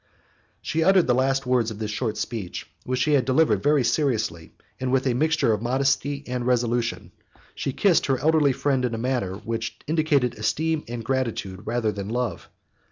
As she uttered the last words of this short speech, which she had delivered very seriously and with a mixture of modesty and resolution, she kissed her elderly friend in a manner which indicated esteem and gratitude rather than love.